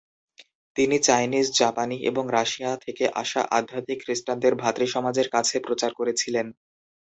তিনি চাইনিজ, জাপানি এবং রাশিয়া থেকে আসা আধ্যাত্মিক খ্রিস্টানদের ভ্রাতৃসমাজের কাছে প্রচার করেছিলেন।